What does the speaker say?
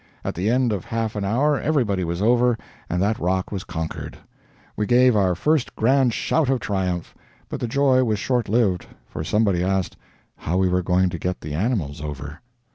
At the end of half an hour everybody was over, and that rock was conquered. We gave our first grand shout of triumph. But the joy was short lived, for somebody asked how we were going to get the animals over.